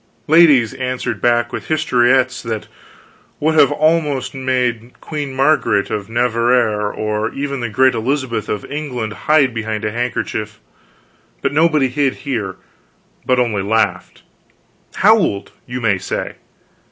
Ladies answered back with historiettes that would almost have made Queen Margaret of Navarre or even the great Elizabeth of England hide behind a handkerchief, but nobody hid here, but only laughed howled, you may say.